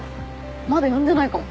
まだ呼んでないかも。